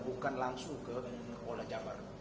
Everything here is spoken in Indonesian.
bukan langsung ke polda jabar